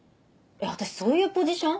私そういうポジション？